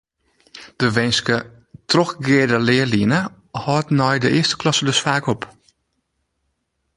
De winske ‘trochgeande learline’ hâldt nei de earste klasse dus faak op.